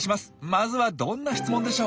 まずはどんな質問でしょう？